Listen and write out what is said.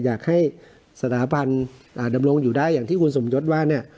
อยากให้สถาบันดำรงอยู่ได้อย่างที่คุณสมยศว่าเนี่ย